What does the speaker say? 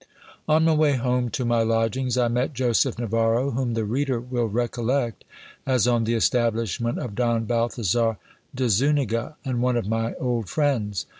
On my way home to my lodgings I met Joseph Navarro, whom the reader will recollect as on the establishment of Don Balthasar de Zuniga, and one of my old friends.